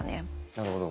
なるほど。